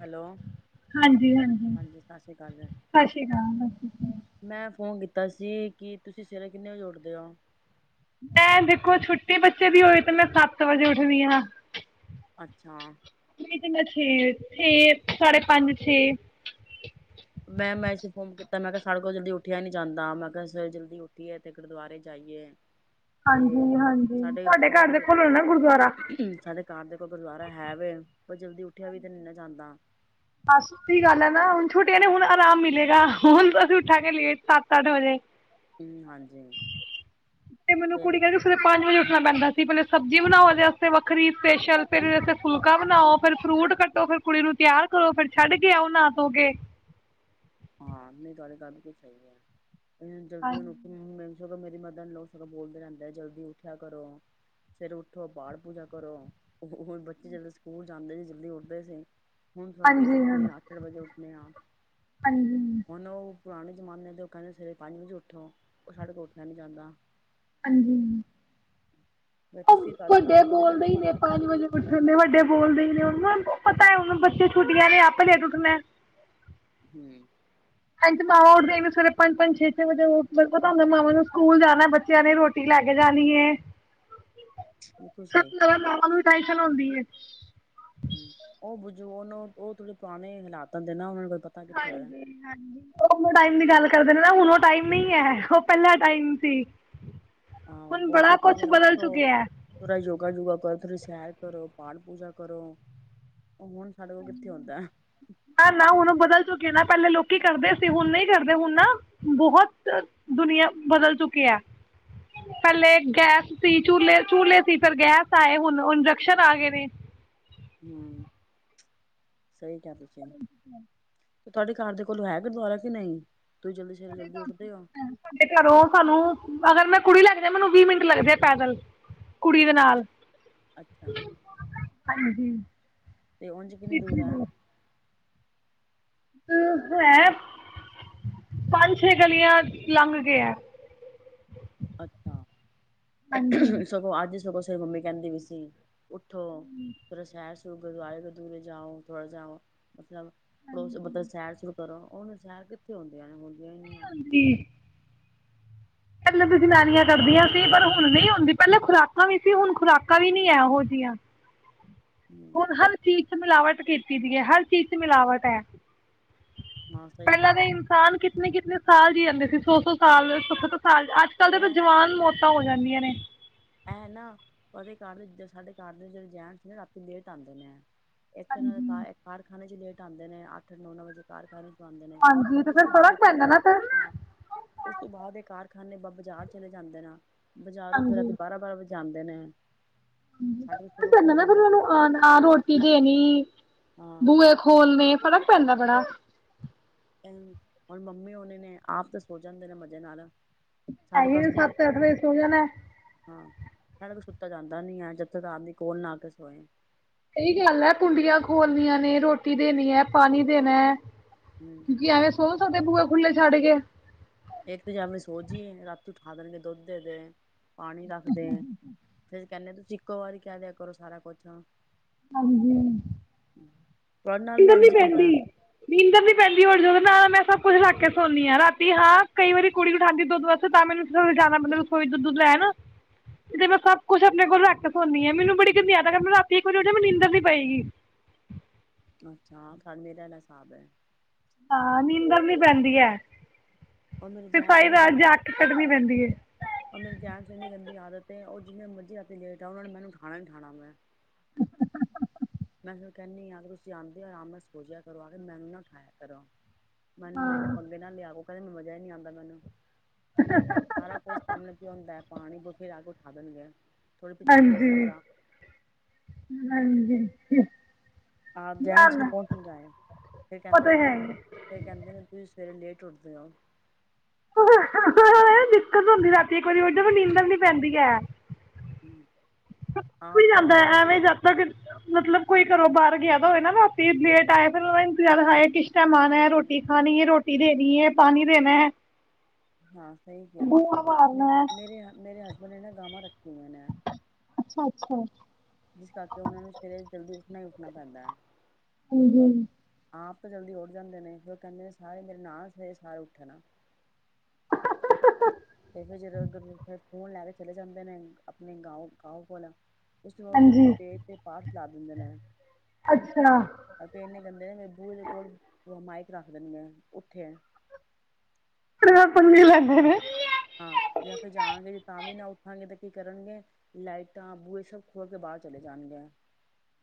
Hello ਹਾਂਜੀ ਸਤਿ ਸ੍ਰੀ ਅਕਾਲ ਸਤਿ ਸ਼੍ਰੀ ਅਕਾਲ ਸਤਿ ਸ਼੍ਰੀ ਮੈਂ ਫੋਨ ਕੀਤਾ ਤਸੀਂ ਕੀ ਤੁਸੀਂ ਸਵੇਰੇ ਕਿੰਨੇ ਵਜੇ ਉਠਦੇ ਹੋ ਮੈਂ ਦੇਖੋ ਛੁੱਟੀ ਬੱਚੇ ਦੀ ਹੋਏ ਤੇ ਮੈਂ ਸੱਤ ਵਜੇ ਉੱਠਦੀ ਹਾਂ ਅੱਛਾ ਨਾ ਛੇ ਛੇ ਸਾਢੇ ਪੰਜ ਛੇ ਮੈਂ ਮੈਂ ਇਸੇ ਫੋਨ ਕੀਤਾ ਮੈਂ ਕਿਹਾ ਸਾਡੇ ਕੋਲ ਜਲਦੀ ਉੱਠਿਆ ਈ ਨੀ ਜਾਂਦਾ ਮੈਂ ਕਿਹਾ ਜਲਦੀ ਉੱਠੀਏ ਤੇ ਗੁਰਦੁਆਰੇ ਜਾਈਏ ਤੇ ਹਾਂਜੀ ਹਾਂਜੀ ਸਾਡੇ ਉਥੇ ਕੋ ਦੁਬਾਰਾ ਸਾਡੇ ਘਰ ਦੇ ਕੋਈ ਗੁਰਦੁਆਰਾ ਹੈ ਵ ਪਰ ਜਲਦੀ ਉੱਠਿਆ ਵੀ ਤੇ ਨਹੀਂ ਨਾ ਜਾਂਦਾ ਬਸ ਏਹੀ ਗੱਲ ਹੈ ਨਾ ਹੁਣ ਛੋਟੀਆਂ ਨੇ ਹੁਣ ਆਰਾਮ ਮਿਲੇਗਾ ਹੁਣਸੀਂ ਉੱਠਾ ਕੇ ਲੇਟ ਸੱਤ ਅੱਠ ਵਜੇ ਹਮ ਹਾਂਜੀ ਤੇ ਮਨੂੰ ਕੁੜੀ ਕਹਿੰਦੇ ਸਵੇਰੇ ਪੰਜ ਵਜੇ ਣਾ ਪੈਂਦਾ ਸੀ ਪਹਿਲੇ ਸਬਜ਼ੀ ਬਣਾਓ ਉਹਦੇ ਵਾਸਤੇ ਵੱਖਰੀ ਸਪੈਸ਼ਲ ਫਿਰ ਫੁਲਕਾ ਬਣਾਓ ਫਿਰ ਫਰੂਟ ਕੱਟੋ ਫਿਰ ਕੁੜੀ ਨੂੰ ਤਿਆਰ ਕਰੋ ਫਿਰ ਛੱਡ ਕੇ ਆਓ ਨਾ ਧੋ ਕੇ ਹਾਂ ਨਹੀਂ ਤੁਹਾਡੇ ਗੱਲ ਨੂੰ ਕੁਛ ਹੈ ਜਲਦੀਆਂ ਨੂੰ ਹਾਂਜੀ ਸੋਂ ਮੇਰੀ ਮਦਰ ਨੇ ਲੋਕ ਸਗੋਂ ਬੋਲਦੇ ਰਹਿੰਦੇ ਜਲਦੀ ਉੱਠਿਆ ਕਰੋ ਫਿਰ ਉਠੋ ਪਾਠ ਪੂਜਾ ਕਰੋ ਬੱਚੇ ਜਦੋਂ ਸਕੂਲ ਜਾਂਦੇ ਸੀ ਜਲਦੀ ਉੱਠਦੇ ਸੀ ਹੁਣ ਤੁਆਡੇ ਚ ਹਾਂਜੀ ਉੱਠਣੇ ਹਾਂਜੀ ਆ ਅੱਠ ਅੱਠ ਵਜੇ ਉੱਠਣੇ ਆ ਹਾਂਜੀ ਹੁਣ ਉਹ ਪੁਰਾਣੇ ਜਮਾਨੇ ਦੇ ਉਹ ਕਹਿੰਦੇ ਸਵੇਰੇ ਪਾਣੀ ਵਿੱਚ ਉੱਠੋ ਉਹ ਸਾਡੇ ਕੋਲ ਉੱਠਿਆ ਨੀ ਜਾਂਦਾ ਹਾਂਜੀ ਫੇਰ ਉਹ ਤੁਸੀਂ ਤੁਹਾਡੇ ਵੱਡੇ ਤੁਹਾਡੇ ਕੋਲ ਹੈਗਾ ਬੋਲਦੇ ਈ ਤੁਹਾਡਾ ਨੇ ਪੰਜ ਵਜੇ ਪੁੱਠਣ ਨੇ ਵੱਡੇ ਬੋਲਦੇ ਈ ਨੇ ਪਤਾ ਹੈ ਹੁ ਬੱਚੇ ਛੁੱਟੀਆਂ ਨੇ ਆਪੇ ਲੇਟ ਮੈਂ ਹਮ ਹਂਜੀ ਮਾਮਾਂ ਉੱਠਦੇ ਸਵੇਰੇ ਪੰਜ ਪੰਜ ਛੇ ਛੇ ਵਜੇ ਮ ਪਤਾ ਹੁੰਦਾ ਮਾਵਾਂ ਨੂੰ ਸਕੂਲ ਜਾਣਾ ਬੱਚਿਆਂ ਨੇ ਰੋਟੀ ਲੈ ਕੇ ਜਾਣੀ ਹੈ ਬਿਲਕੁਲ ਸਭ ਸਹੀ ਤੋਂ ਮਾਵਾਂ ਨੂੰ ਟਾਈਸ਼ਨ ਣਾਉਂਦੀ ਏ ਉਹ ਬੁਝੂ ਉਹ ਉਹ ਥੋੜੇ ਪੁਆਣੇ ਹਾਲਾਤਾਂ ਦੇ ਨਾ ਉਹ ਹਾਂਜੀ ਹਾਂਜੀ ਟਾਈਮ ਦੀ ਗੱਲ ਕਰਦੇ ਨੇ ਨਾ ਹੁਣ ਉਹ ਟਾਈਮ ਨਹੀਂ ਹੈ ਉਹ ਪਹਿਲਾ ਟਾਈਮ ਸੀ ਆਹ ਹੁਣ ਉਹ ਬੜਾ ਕਹਿੰਦੇ ਕੁਛ ਨੇ ਬਦਲ ਉਠੋ ਚੁੱਕਿਆ ਹੈ ਥੋੜਾ ਯੋਗਾ ਯੋਗਾ ਕਰੋ ਥੋੜੀ ਸੈਰ ਕਰੋ ਪਾਠ ਪੂਜਾ ਕਰੋ ਓਹ ਹੋਣ ਸਾਡੇ ਕੋਲ ਕਿੱਥੇ ਹੋਂਦੈ? ਨਾ ਨਾ ਹੁਣ ਬਦਲ ਚੁੱਕੇ ਨਾ ਪਹਿਲੇ ਲੋਕੀ ਕਰਦੇ ਸੀ ਹੁਣ ਨਹੀਂ ਕਰਦੇ ਹੁਣ ਨਾ, ਬਹੋਤ ਦੁਨੀਆਂ ਬਦਲ ਚੁੱਕੀ ਏ, ਪੈਲੇ ਗੈਸ ਸੀ ਝੂਲੇ-ਝੂਲੇ ਸੀ ਫਿਰ ਗੈਸ ਆਏ ਹੁਣ ਇੰਡਕਸ਼ਨ ਆ ਗਏ ਨੇ ਹੰ ਸਹੀ ਕਿਆ ਤੁਸੀ ਤੇ ਤੁਹਾਡੇ ਘਾਰ ਦੇ ਕੋਲ ਹੈ ਗੁਰਦੁਆਰਾ ਕਿ ਨਹੀਂ? ਤੁਸੀਂ ਜਲਦੀ ਸਵੇਰੇ ਜਲਦੀ ਉੱਠਦੇ ਹੋ ਸਾ-ਸਾਡੇ ਘਰੋਂ ਸਾਨੂੰ ਅਗਰ ਮੈਂ ਕੁੜੀ ਜਾਵਾਂ ਮੇਨੁ ਵੀਹ ਮਿੰਟ ਲੱਗਦੇ ਆ ਪੈਦਲ ਕੁੜੀ ਦੇ ਨਾਲ ਅੱਛਾ ਅੱਛਾ, ਹਾਂਜੀ ਤੇ ਉੰਜ ਕਿੰਨੀ ਦੂਰ ਆ? ਅ ਹੈ ਪੰਜ ਛੇ ਗਲੀਆਂ ਲੰਘ ਕੋ ਹੈ। ਅੱਛਾ! ਹਾਂਜੀ ਸਗੋਂ ਅੱਜ ਸਗੋਂ ਮੰਮੀ ਕਹਿੰਦੀ ਵੀ ਸੀ। ਉੱਠੋ ਫਿਰ ਸੈਰ ਗੁਰਦੁਆਰੇ ਤੋਂ ਦੂਰੇ ਜਾਓ ਥੋੜਾ ਜਾਓ ਮਤਲਬ! ਪੜੋਸ ਮਤਲਬ ਸੈਰ ਸੁਰ ਕਰੋ ਉਹਨੂੰ ਸੈਰ ਕਿੱਥੇ ਹੁੰਦੀਆਂ ਨੇ ਹੁਣ! ਨਹੀਂ ਹੁੰਦੀ। ਪਹਿਲਾਂ ਤਾਂ ਜਨਾਨੀਆਂ ਕਰਦੀਆਂ ਸੀ। ਪਰ ਹੁਣ ਨਹੀਂ ਹੁੰਦੀ ਪਹਿਲਾਂ ਖੁਰਾਕਾਂ ਵੀ ਸੀ, ਹੁਣ ਖੁਰਾਕਾਂ ਵੀ ਨਹੀਂ ਆ ਇਹੋ ਜਿਹੀਆਂ। ਹੂੰ ਹੁਣ ਹਰ ਚੀਜ਼ ਮਿਲਾਵਾਟ ਕੀਤੀ ਸੀ ਹਰ ਚੀਜ਼ ਚ ਮਿਲਾਵਟ ਹੈ। ਹਾਂ ਸਹੀ ਪਹਿਲਾਂ ਗੱਲ ਤਾਂ ਕੀਤੀ। ਇਨਸਾਨ ਕਿਤਨੇ ਕਿਤਨੇ। ਸਾਲ ਜੀ ਜਾਦੇਂ ਸੀ ਸੌ-ਸੌ ਸਾਲ ਅੱਜ ਕੱਲ੍ਹ ਦੇ ਤਾਂ ਐ ਜਵਾਨ ਮੌਤ ਤਾਂ ਹੋ ਜਾਂਦੀਆਂ ਨੇ। ਐ ਹੈ, ਨਾ ਤੁਹਾਡੇ ਘਰ ਵਿੱਚ ਸਾਡੇ ਘਰ ਵਿੱਚ ਜਿਹੜੇ ਜੈਟਸ ਨੇ ਨਾ ਰਾਤੀ ਲੇਟ ਆਂਦੇ ਨੇ। ਹਾਂਜੀ [unintelligible] ਖਾਣੇ ਚ ਲੇਟ ਆਉਂਦੇ ਨੇ ਅੱਠ- ਅੱਠ, ਨੌਂ -ਨੌਂ ਵਜੇ ਘਰ ਸਾਰੇ ਪਾਉਂਦੇ ਨੇ ਹਾਂਜੀ ਤੇ ਉਸ ਫਿਰ ਤੋਂ ਫ਼ਰਕ ਬਾਅਦ ਪੈਂਦਾ ਨਾ ਫਿਰ ਹਾਂ। ਉਸ ਤੋਂ ਬਾਅਦ ਇਹ ਕਾਰਖਾਨੇ ਬ ਬਾਜ਼ਾਰ ਚਲੇ ਜਾਂਦੇ ਨੇ, ਬਜ਼ਾਰੋਂ ਫੇਰ ਅੱਜ ਵਜਾਦੇਂ ਜਾਂਦੇ ਨੇ? ਸਾਡੇ ਵਜੇ ਕਹਿਣਾ ਫੇਰ ਪੈਂਦਾ ਉੱਠਿਆ ਨਾ ਜਾਂਦਾ ਤੇ ਫਿਰ ਹੈ ਨੀ ਆ ਆ ਰੋਟੀ ਦੇਣੀ। ਹਾਂ ਬੂਹੇ ਖੋਲਣੇ ਪਤਾ ਫ਼ਰਕ ਪੈਂਦਾ ਬੜਾ। ਹੁਣ, ਮੰਮੀ ਉਹਨੀਂ ਨੇ ਆਪ ਤਾਂ ਸੋਚ ਜਾਂਦੇ ਨੇ ਮਜ਼ੇ ਨਾਲ। ਸਾਡੇ ਹੈਰੀ ਕੋਲ ਨੇ ਅਸੀਂ ਸੱਤ ਅੱਠ ਵੱਜੇ ਸੋ ਜਾਣਾ। ਹਾਂ ਸਾਡੇ ਕੋਲ ਸੁੱਤਾ ਜਾਂਦਾ ਨੀ ਹੈ, ਜਦੋਂ ਤੱਕ ਆਦਮੀ ਕੋਲ ਨਾ ਕੇ ਸੋਏ। ਸਹੀ ਗੱਲ ਹੈ, ਕੁੰਡੀਆਂ ਖੋਲਣੀਆਂ ਨੇ ਰੋਟੀ ਦੇਣੀ ਹੈ, ਪਾਣੀ ਦੇਣਾ ਹੈ। ਹੂੰ ਕਿਉਂਕਿ ਐਵੇਂ ਸੋ ਸਕਦੇ ਹੋ ਬੂਏ ਖੁੱਲੇ ਛੱਡਗੇ ਇੱਕ ਤਾਂ ਜਦ ਨੂੰ ਸੋ ਜਾਏ ਰਾਤ ਨੂੰ ਉਠਾ ਦੇਣਗੇ ਦੁੱਧ ਦੇ -ਦੇ ਪਾਣੀ ਰੱਖਦੇ ਹਾਂ। ਫੇਰ ਕਹਿੰਦੇ, ਤੁਸੀਂ ਇੱਕੋ ਵਾਰੀ ਕਹਿ ਦਿਆ ਕਰੋ ਸਾਰਾ ਕੁਛ, ਹਾਂਜੀ। ਤੁਹਾਡੇ ਨਾਲ ਵੀ ਨੀਂਦਰ ਇੰਝ ਨੀ ਹੀ ਪੈਂਦੀ ਹੁੰਦਾ ਨੀਂਦਰ ਨੀ ਪੈਂਦੀ ਹੋਰ ਜਦੋਂ ਨਾਲ ਮੈਂ ਸਭ ਕੁੱਛ ਰੱਖ ਕੇ ਸੋਨੀ ਹਾਂ ਰਾਤੀ ਹਾਂ ਕਈ ਵਾਰੀ ਕੁੜੀ ਉਠਾਣਦੀ ਦੁੱਧ ਵਾਸਤੇ ਤਾਂ ਮੈਨੂੰ ਜ਼ਿਆਦਾ ਮਤਲਬ ਰਸੋਈ ਦਾ ਦੁੱਧ ਲੈ ਨਾ ਤੇ ਮੈਂ ਸਭ ਕੁੱਛ ਆਪਣੇ ਕੋਲ ਰੱਖ ਕੇ ਸੋਂਦੀ ਹਾਂ ਮੈਨੂੰ ਬੜੀ ਗੰਦੀ ਆਦਤ ਆ ਮ ਰਾਤੀ ਇਕ ਬਜੇ ਉੱਠ ਜਾ ਮ ਨੀਂਦਰ ਨੀ ਪਏਗੀ। ਅੱਛਾ ਡ ਮੇਰਾ ਲ ਹਿਸਾਬ ਹੈ ਹਾਂ ਨੀਂਦਦਰ ਵੀ ਨੀ ਪੈਂਦੀ ਹੈ। ਉਹ ਮੇਰੀ ਫਿਰ ਸਾਰੀ ਜਹਿਣ ਗੰ ਰਾਤ ਜਾਗ ਕੇ ਕੱਢਣੀ ਪੈਂਦੀ ਹੈ ਉਹ ਮੇਰੀ ਜਹਿਣਸਨੀ ਗੰਦੀ ਯਾਦ ਤੇ ਉਹ ਜਿਵੇੇ ਮਰਜ਼ੀ ਰਾਤੀ ਲੇਟ ਆ ਉਹਨਾ ਨੇ ਮੈਨੂੰ ਠਾਣਾ ਠਾਉਣਾ ਮੈਂ ਮੈਂ ਫਿਰ ਕਹਿੰਦੀ ਹ ਅਗਰ ਤੁਸੀਂ ਆਉਂਦੇ ਹੋ ਆਰਾਮ ਨਾਲ ਸੋਚਿਆ ਕਰੋ ਆ ਮੈਨੂੰ ਨਾ ਉਠਾਇਆ ਕਰੋ ਮੈਨੂੰ [unintelligible] ਹਾਂ ਪੰਗੇੇ ਨਾਲ ਲਿਆ ਕੈਂਦੇ ਮਜ਼ਾ ਈ ਨੀ ਆਉਂਦਾ ਮੈਨੂੰ ਸਾਰਾ ਕੁਝ ਸਾਹਮਣੇ ਕੀ ਆਉਂਦਾ ਪਾਣੀ ਬ ਫੇਰ ਆ ਕੇ [unintelligible] ਪਿੱਛੇ ਹੋ ਕੇ ਸੋ ਹਾਂਜੀ ਜਾ ਹਾਂਜੀ ਹਮ ਆਪ ਦਹਿਣ ਨੂੰ ਕੌਣ ਸਮਝਾਏ ਫੇਰ ਉਹ ਕਹਿੰਦੇ ਤਾਂ ਨੇ ਹੈ ਹੀ ਫੇਰ ਕਹਿੰਦੇ ਨੇ ਤੁਸੀਂ ਰੇ ਲੇਟ ਉੱਠਦੇ ਆ ਦਿੱਕਤ ਹੁੰਦੀ ਰਾਤੀ ਇੱਕ ਵਾਰੀ ਉਠ ਵੀ ਨੀਂਦਰ ਨੀ ਪੈਂਦੀ ਹੈ ਹਮ ਵੀ ਜਾਂਦਾ ਐਵੇਂ ਜ ਮਤਲਬ ਕੋਈ ਘਰੋਂ ਬਾਹਰ ਗਿਆ ਤਾਂ ਹੋਇ ਨਾ ਰਾਤੀਂ ਲੇਟ ਆਇਆ ਫਿਰ ਉਹ ਇੰਤਜ਼ਾਰ ਹਇਆ ਸਹਿਮਾਣਾ ਹੈ ਰੋਟੀ ਖਾਣੀ ਹੈ ਰੋਟੀ ਪਟੀ ਦੇਣੀ ਹੈ ਪਾਣੀ ਦੇਣਾ ਹੈ ਹਾਂ ਸਹੀ ਕਿਹਾ ਬੂਆ ਮਾਰਨਾ ਹੈ ਮੇਰੇ ਮੇਰੇ ਹਸਬੈਂਡ ਨੇ ਨਾ ਗਾਵਾਂ ਰੱਖ [unintelligible] ਅੱਛਾ ਅੱਛਾ ਜਿਸ ਕਰਕੇ ਉਹਨਾਂ ਨੂੰ ਸਵੇਰੇ ਜਲਦੀ ਉੱਠਣਾ ਹੀ ਉੱਠਣਾ ਪੈਂਦਾ ਹੈ ਹਮ ਹ ਆਪ ਤਾਂ ਜਲਦੀ ਉੱਠ ਜਾਂਦੇ ਨੇ ਫਿਰ ਕਹਿੰਦੇ ਸਾਰੇ ਮੇਰੇ ਨਾਲ ਸ ਸਾਰੇ ਉੱਠਣਾ [unintelligible] ਤੇ ਫੇਰ ਜਦੋਂ ਫ਼ੋਨ ਲੈ ਕੇ ਚਲੇ ਜਾਂਦੇ ਨੇ ਆਪਣੇ ਗਾਓ ਗਾਓ ਕੋਲ ਉਸਨੂੰ ਦੀ ਹਾਂਜੀ ਤੇਜ ਤੇ ਪਾਠ ਲਾ ਦਿੰਦੇ ਨੇ ਅੱਛਾ ਅਤੇ ਨੇ ਕਹਿੰਦੇ ਨੇ ਮਬੂ ਦੇ ਕੋਲਮਾਇਕ ਰੱਖਦੇ ਨੇ ਮ ਉੱਥੇ [unintelligible] ਹਾਂ ਜਾਂ ਫਿਰ ਜਾਾਣਗੇ ਜੇ ਤਾਂ ਵੀ ਨਾ ਉੱਠਾਂਗੇ ਤਾਂ ਕੀ ਕਰਨਗੇ ਲਾਈਟਾਂ ਬੂਏ ਇਹ ਸਭ ਖੋਲ ਕੇ ਬਾਹਰ ਚਲੇ ਜਾਣਗੇ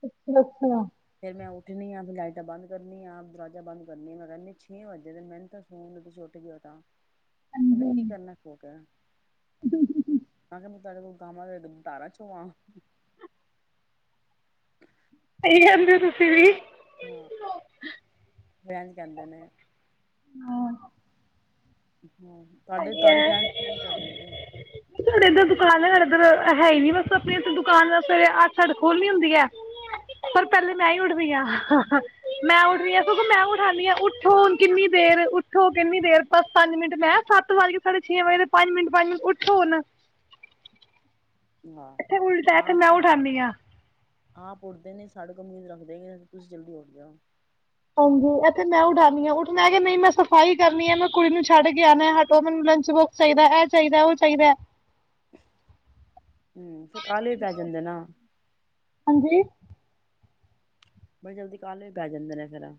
ਅੱਛਾ ਅੱਛਾ ਫੇਰ ਮੈਂ ਉੱਠਣੀ ਆ ਫਿਰ ਲਾਈਟਾਂ ਬੰਦ ਕਰਨੀਆਂ ਦਰਵਾਜ਼ਾ ਬੰਦ ਕਰਨੀ ਮੈਂ ਰਹਿੰਦੀ ਛੇ ਵੱਜੇ ਮੈਨੂੰ ਤਾਂ ਫੋੂਨ ਛੱਟ ਗ ਤਾਂ [unintelligible] ਕੀ ਸਹੀ ਕਰਨਾ [unintelligible] ਮੈਂ ਕਿਹਾ ਮੂੰ ਤੁਹਾਡੇ ਕੋ ਮ ਧਾਰਾਂ ਚੋਵਾਂ ਸਈ ਕਹਿੰਦੇ ਹੋ ਤੁਸੀਂ ਵੀ ਹਮ। ਰਹਿਣ ਜਾਂਦੇ ਨੇ ਹਮ। ਹਮ ਤੁਹਾਡੇ- ਤੁਹਾਡੇ ਜੈਂਡਸ ਹੈ [unintelligible] ਸਾਡੇ ਇੱਧਰ ਦੁਕਾਨ ਹੈ, ਸਾਡੇ ਇੱਧਰ ਹੈ ਹੀ ਨੀ ਬਸ ਆਪਣੀ ਇੱ ਦੁਕਾਨ ਸਵੇਰੇ ਅੱਠ ਸਾਡੇ ਅੱਠ ਖੋਲਣੀ ਹੁੰਦੀ ਹੈ। ਫੇਰ ਪਹਿਲੇ ਮੈਂ ਹੀ ਉੱਠਦੀ ਹਾਂ ਮੈਂ ਉਠਦੀ ਹਾਂ ਅੱਛਾ। ਸਗੋਂ ਮੈਂ ਉਠਾਂਨੀ ਆ ਉੱਠੋ ਹੁਣ ਕਿੰਨੀ ਦੇਰ ਉੱਠੋ ਕਿੰਨੀ ਦੇਰ ਬਸ ਪੰਜ ਮਿੰਟ ਮੈਂ ਸੱਤ ਵੱਜ ਕੇ ਸਾਡੇ ਛੇ ਵਜੇ ਪੰਜ ਮਿੰਟ ਪੰਜ ਮਿੰਟ ਉਠੋ ਹੁਣ ਹਾਂ ਇੱਥੇ ਉਲਟਾ ਇਥੇ ਮੈਂ ਆਪ ਉਠਾਨੀ ਆ ਆਪ ਉੱਠਦੇ ਨੇ ਸਾਡੇ ਤੋਂ ਉਮੀਦ ਰੱਖਦੇ ਨੇ ਤੁਸੀਂ ਜਲਦੀ ਉੱਠ ਜਾਓ। ਹਾਂਜੀ, ਐਥੇ ਮੈਂ ਉਠਾਂਣੀ ਆਂ ਉਠਣਾ ਏ ਕੇ ਨਹੀਂ ਮੈਂ ਸਫ਼ਾਈ ਕਰਨੀ ਐ ਮੈਂ ਕੁੜੀ ਨੂੰ ਛੱਡ ਕੇ ਆਣੈ। ਹਟੋ, ਮੈਨੂੰ ਲੰਚ ਬੋਕਸ ਚਾਹੀਦੈ ਐ ਚਾਹੀਦੈ ਔ ਚਾਹੀਦੈ। ਹੂੰ, ਫਿਰ ਕਾਲੇ ਪੈ ਜਾਂਦੇ ਨਾ। ਹਾਂਜੀ ਬੜੀ ਜਲਦੀ ਕਾਲੇ ਵੀ ਪੈ ਜਾਂਦੇ ਨੇ ਫੇਰ ਐ।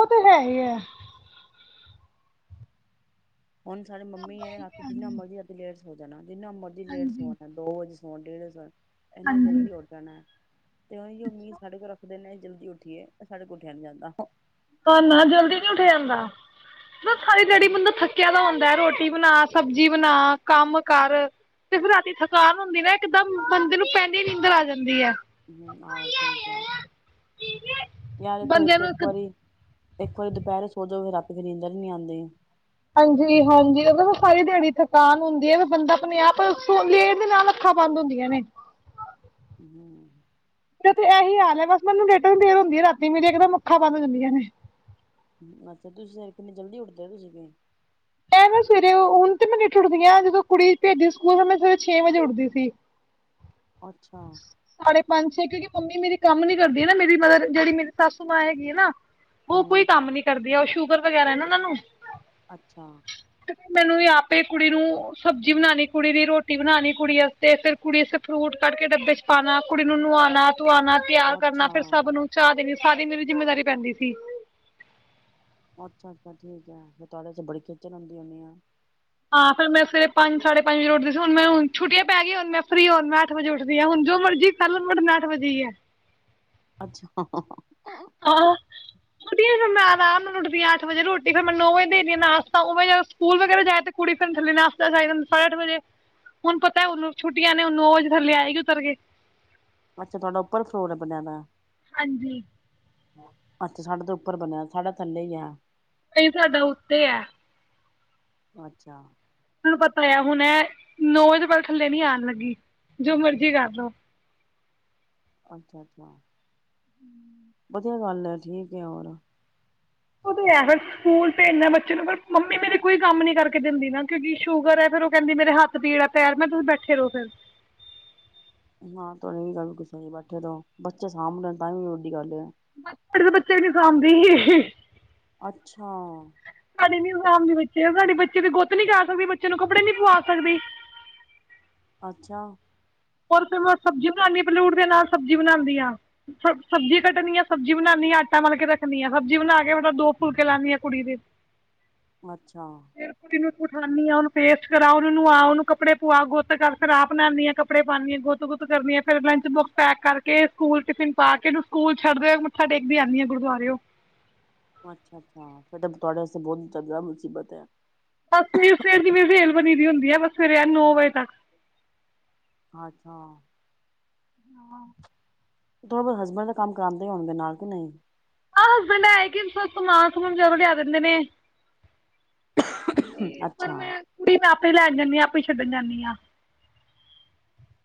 ਔ ਤੇ ਹੈ ਈ ਹੈ। ਹੁਣ ਸਾਡੇ ਮੰਮੀ ਐ, ਰਾਤੀ ਜਿੰਨਾ ਮਰਜ਼ੀ ਰਾਤੀ ਲੇਟ ਹੋੋ ਜਾਣਾ। ਜਿੰਨਾ ਮਰਜ਼ੀ ਲੇਟ ਸੋ ਜਾਣ ਦੋ ਵਜੇ ਹੋ ਡੇਢ ਵਜੇ ਸੋਏ। ਐਨਾ ਹਾਂਜੀ ਜਲਦੀ ਉਠ ਜਾਣੈ। ਤੇ ਔਈਔ ਮੀਦ ਸਾਡੇ ਕੋਲ ਰੱਖਦੇ ਨੇ ਜਲਦੀ ਉੱਠੀਏ ਸਾਡੇ ਕੋਲ ਉੱਠਿਆ ਨੀ ਜਾਂਦਾ। ਤਾਨਾ ਜਲਦੀ ਨੀ ਉੱਠਿਆ ਜਾਂਦਾ। ਸਾਰੀ ਦੇਆੜੀ ਬੰਦਾ ਥੱਕਿਆ ਦਾ ਹੁੰਦੈ ਰੋਟ ਰੋਟੀ ਬਣਾ, ਸਬਜ਼ੀ ਬਣਾ, ਕੰਮ ਕਰ। ਤੇ ਫਿਰ ਰਾਤੀ ਥਕਾਨ ਹੁੰਦੀ ਨਾ ਇੱਕਦਮ ਬੰਦੇ ਨੂੰ ਪੈਂਦੇ ਨੀਦਰ ਆ ਜਾਂਦੀ ਐ। ਹਮ ਆਹੋ ਸਹੀ ਗਿਆ ਯਾਰ ਬੰਦੇ ਨੂੰ ਇੱਕ ਵਾਰੀ ਇੱਕ ਵਾਰੀ ਦੁਪਹਿਰੇ ਸੋ ਜੋ ਫੇਰ ਰਾਤੀ ਨੀਂਦਰ ਹੀ ਨੀ ਆੰਦੀ। ਹਾਂਜੀ, ਹਾਂਜੀ ਸਾਰੀ ਦਿਹਾੜੀ ਥਕਾਨ ਹੁੰਦੀ ਆ ਬੰਦਾ ਆਪਣੇ ਆਪ ਲੇਟ ਦੇ ਨਾਲ ਅੱਖਾਂ ਬੰਦ ਹੁੰਦੀਆਂ ਨੇ, ਤੇ ਇਹੀ ਹਾਲ ਹੈ ਬਸ ਮੈਨੂੰ ਲੇਟ ਦੇਰ ਹੁੰਦੀ ਆ ਰਾਤੀ ਮੇਰੀ ਇਕਦਮ ਅੱਖਾਂ ਬੰਦ ਹ ਜਾਂਦੀਆਂ ਨੇ। ਅੱਛਾ ਤੁਸੀਂ ਸਵੇਰੇ ਕਿੰਨੀ ਜਲਦੀ ਉੱਠਦੇ ਹੋ ਕੇ ਤੁਸੀਂ ਵੀ? ਮੈਂ ਸਵੇਰੇ ਹੁਣ ਤੇ ਮੈਂ ਲੇ ਉੱਠਦੀ ਆ, ਜਦੋਂ ਕੁੜੀ ਭੇਜਨੀ ਸਕੂਲ ਤਾਂ ਮੈਂ ਸਵੇਰੇ ਛੇ ਵਜੇ ਉੱਠਦੀ ਸੀ। ਅੱਛਾ ਮੈ ਸਾੜੇ ਪੰਜ, ਛੇ ਕਿਉਂਕਿ ਮੰਮੀ ਮੇਰੀ ਕੰਮ ਨੀ ਕਰਦੀ ਨਾ ਮੇਰੀ ਮਤਲਬ ਜਿਹੜੀ ਮੇਰੀ ਸਾਸੂ ਮਾਂ ਹੈਗੀ ਹੈ ਨਾ ਔ ਕੋਈ ਹੂੰ ਕੰਮ ਨੀ ਕਰਦੀ ਐ, ਔ ਸ਼ੂਗਰ ਵਗੈਰਾ ਨਾ ਔਨਾ ਨੂੰ। ਅੱਛਾ। ਤੇ ਫਿਰ ਮੈਨੂੰ ਵੀ ਆਪੇ ਕੁੜੀ ਨੂੰ ਸਬਜ਼ੀ ਬਣਾਣੀ ਕੁੜੀ ਦੀ ਰੋਟੀ ਬਣਾਣੀ ਕੁੜੀ ਅਸਤੇ ਫੇਰ ਕੁੜੀ ਅਸੇ ਫਰੂਟ ਕੱਢ ਕੇ ਡੱਬੇ ਚ ਪਾਣਾ ਕੁੜੀ ਨੂੰ ਨੁਵਾਣਾ। ਧਵਾਣਾ ਤਿਆਰ ਕਰਨਾ ਅੱਛਾ ਫੇਰ ਸਭ ਨੂੰ ਚਾਹ ਦੇਣੀ। ਸਾਰੀ ਮੇਰੀ ਜਿੰਮੇਦਾਰੀ ਪੈਂਦੀ ਸੀ। ਅੱਛਾ- ਅੱਛਾ ਠੀਕ ਐ ਫਿਰ ਤੁਹਾਡੇ ਵਸਤੇ ਬੜੀ ਖੇਚਲ ਹੁੰਦੀ ਹੋਂਦੀ ਹੋਣੀ ਐ ਹਾਂ, ਫਿਰ ਮੈਂ ਸਵੇਰੇ ਪੰਜ ਸਾਢੇ ਪੰਜ ਵਜੇ ਉੱਠਦੀ ਸੀ ਹੁਣ ਮੈਂ ਹ ਛੁੱਟੀਆਂ ਪੈ ਗਈ ਹੁਣ ਮੈਂ ਫਰੀ ਹੁਣ ਮੈਂ ਅੱਠ ਵਜੇ ਉੱਠਦੀ ਹਾਂ ਹੁਣ ਜੋ ਮਰਜੀ ਕਰ ਲੋ ਹੁਣ ਉਠਣਾ ਮੈਂ ਅੱਠ ਵਜੇ ਹੀ ਹੈ। ਅੱਛਾ। ਆਹੋ ਫਿਰ ਮੈਂ ਆਰਾਮ ਨਾਲ ਉੱਠਦੀ ਆ ਅੱਠ ਵਜੇ ਰੋਟੀ ਫੇਰ ਮੈਂ ਨੌ ਵਜੇ ਦੇ ਨਾਸ਼ਤਾ ਓਵੇ ਓ ਸਕੂਲ ਵਗੈਰਾ ਜਾਏ ਤੇ ਕੁੜੀ ਫੇਰ ਥੱਲੇ ਨਾਸ਼ਤਾ ਜਾ ਸਾਢੇ ਅੱਠ ਵਜੇ ਹੁਣ ਪਤਾ ਛੁੱਟੀਆਂ ਨੇ ਨੌ ਵਜੇ ਥੱਲੇ ਆਏਗੀ ਉਤਰ ਕੇ ਅੱਛਾ ਤੁਹਾਡਾ ਉੱਪਰ ਫਰੋਰ ਹੈ ਬਣਿਆ ਣਾ ਹਾਂਜੀ। ਅੱਛਾ, ਸਾਡਾ ਤਾ ਉੱਪਰ ਬਨੇਆ ਸਾਡਾ ਥੱਲੇ ਈ ਐ ਨਈ ਸਾਡਾ ਉੱਤੇ ਐ। ਅੱਛਾ। ਪਤਾ ਯਾ ਹੁਨ ਐ ਨੋ ਵਜੇ ਤੋ ਪੈਲੇ ਥੱਲੇ ਨੀ ਆਨ ਲੱਗੀ ਜੋ ਮਰਜੀ ਕਾਰ ਲੋ ਅੱਛਾ- ਅੱਛਾ [inaudible] ਵਧੀਆ ਗੱਲ ਐ [unintelligible] ਸਕੂਲ ਭੇਜ ਨਾ ਬੱਚੇ ਨੂੰ, ਫੇਰ ਅ ਮੰਮੀ ਮੇਰੀ ਕੋਈ ਕੰਮ ਨੀ ਕਰਕੇ ਦਿੰਦੀ ਨਾ, ਕਿਉਂਕਿ ਸ਼ੂਗਰ ਐ। ਫੇਰ ਓ ਕੈਂਦੀ ਮੇਰੇ ਹੱਥ ਪੀੜ ਆ ਪੈਰ ਮੈਂ ਕੇਆ ਬੈਠੇ ਰਹੋ ਫਿਰ ਹਾਂ ਤੋਆੜੀ ਵੀ ਗੱਲ ਲਗੁਲ ਸਹੀ ਐ, ਬੈਠੇ ਰਓ ਬੱਚੇ ਸਾਂਭ ਲੇਨ ਤਾਂ ਵੀ ਵੱਡੀ ਗੱਲ ਯਾ [unintelligible] ਅੱਛਾ ਨਈ, -ਨਈ ਨਨਾਨ ਦੇ ਬੱਚੇ ਆ। ਸਾਡੇ ਬੱਚੇ ਦੀ ਗੁੱਤ ਨੀ ਕਰ ਸਕਦੀ, ਬੱਚੇ ਨੂੰ ਕੱਪੜੇ ਨੀ ਪਵਾ ਸਕਦੀ। ਅੱਛਾ। [unintelligible] ਫੇਰ ਮੈਂ ਸਬਜੀ ਬਨਾਨੀ ਆ, ਪੈਲੇ ਉੱਠ ਦੇ ਨਾਲ ਸਬਜੀ ਬਨਾਦੀ ਆਂ, ਸਬਜੀ ਕੱਟਨੀ ਆ, ਸਬਜੀ ਬਣਾਨੀ ਆ, ਆਟਾ ਮਲ ਕੇ ਰੱਖਨੀ ਆ, ਸਬਜੀ ਬਨਾ ਕੇ ਫਟਾ-ਫਟ ਮਤਬ ਦੋ ਫੁਲਕੇ ਲਾਨੀ ਆ ਕੁੜੀ ਦੇ ਅੱਛਾ। ਉਠਾਨੀ ਆ, ਓਂਨੂੰ ਪੇਸਟ ਕਰਾਓ, ਓਨੂੰ ਨੂਆਓ, ਓਨੂੰ ਕੱਪੜੇ ਪਵਾਓ, ਗੋਤ ਕਰ, ਫੇਰ ਆਪ ਨ੍ਹਾਨੀ ਆ ਕ ਕੱਪੜੇ ਪਾਨਿ ਆਂ, ਗੋਤ- ਗੁੱਤ ਕਰਨੀ ਐ, ਫੇਰ ਲੰਚ ਬੋਕਸ ਪੈਕ ਕਰਕੇ ਸਕੂਲ ਟਿਫਿਨ ਪਾ ਕੇ ਏਨੂੰ ਸਕੂਲ ਛੱਡਦੇ ਹੋਏ ਮੱਥਾ ਟੇਕਦੀ ਆਨੀ ਆ ਗੁਰਦੁਆਰੇਓ ਅੱਛਾ, ਅੱਛਾ ਸਾਡੇ ਤੁਆੜੇ ਵਾਸੇ ਬਹੋਤ ਜਾਦਾ ਮੁਸੀਬਤ ਐ। ਬਸ ਸਵੇਰ ਸਵੇਰ [unintelligible] ਬਸ ਸਵੇਰੇ ਨੋ ਵਜੇ ਤੱਕ ਅੱਛਾ। ਹਾਂ। [unintelligible] ਹਸਬੈਂਡ ਕੰਮ ਕਰਾਂਦੇ ਹੋਣਗੇ ਨਾਲ ਕੇ ਨਹੀਂ? ਆਹ ਹਸਬੈਂਡ ਐ ਹੈ ਕਿ ਸਮਾਨ ਸਮੂਨ ਬਜਾਰੋਂ ਲਿਆ ਦਿੰਦੇ ਨੇ ਤੇ ਪਰ ਅੱਛਾ। ਮੈਂ ਕੁੜੀ ਮੈਂ ਆਪੇ ਲੈਨ ਜਾਂਨੀ ਆ, ਆਪੇ ਈ ਛੱਡਨ ਜਾਂਨੀ ਆ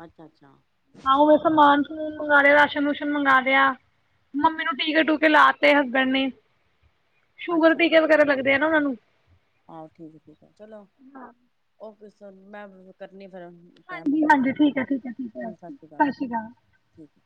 ਅੱਛਾ- ਅੱਛਾ ਆਹੋ ਮੈਂ ਸਮਾਨ [unintelligible] ਰਾਸ਼ਨ- ਰੂਸ਼ਨ ਮੰਗਾ ਲੇਆ, ਮੰਮੀ ਨੂੰ ਟੀਕੇ-ਟੂਕੇ ਲਾ ਤੇ ਹਸਬੰਡ ਨੇ ਸ਼ੂਗਰ ਟੀਕੇ ਵਗੈਰਾ ਲੱਗਦੇ ਏ [unintelligible] ਹਹੋ ਠੀਕ ਠੀਕ ਆ ਚਲੋ ਓ [unintelligible] ਫਿਰ ਹੁਨ ਟੈਮ ਹਾਂਜੀ ਹੋਗੇਆ ਹੁਨ ਹਾਂਜੀ ਠੀਕ ਹੈ ਠੀਕ ਹੈ ਠੀਕ ਹੈ ਸਤਿ ਸ੍ਰੀ ਕਾਲ ਸ਼੍ਰੀ ਹੂੰ-ਹੂੰ ਅਕਾਲ ਠੀਕੇ